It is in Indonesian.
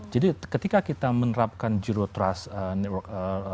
jadi ketika kita menerapkan zero trust network